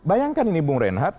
bayangkan ini bu renat